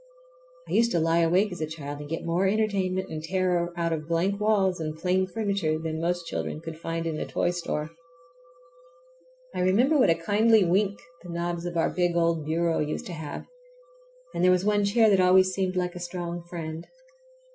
I used to lie awake as a child and get more entertainment and terror out of blank walls and plain furniture than most children could find in a toy store. I remember what a kindly wink the knobs of our big old bureau used to have, and there was one chair that always seemed like a strong friend.